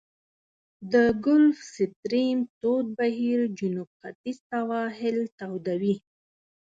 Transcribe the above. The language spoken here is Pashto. د ګلف ستریم تود بهیر جنوب ختیځ سواحل توده وي.